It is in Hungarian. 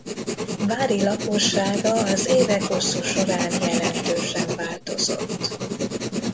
Vári lakossága az évek hosszú során jelentősen változott.